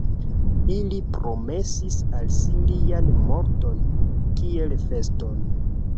Ili promesis al si lian morton, kiel feston.